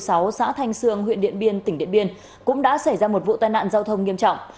xã thanh sương huyện điện biên tỉnh điện biên cũng đã xảy ra một vụ tai nạn giao thông nghiêm trọng